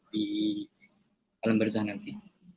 di kalimban jalan nanti